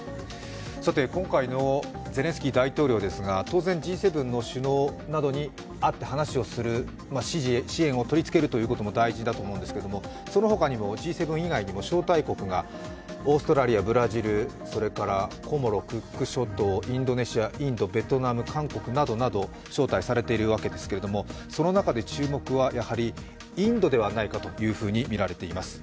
今回のゼレンスキー大統領ですが、当然、Ｇ７の首脳などに会って話をする、支援を取り付けるということも大事だと思うんですが、その他にもＧ７以外にも招待国がオーストラリア、ブラジルコモロ、クック諸島、インド、インドネシアベトナム、韓国などなど招待されているわけですがその中で注目はやはりインドではないかと見られています。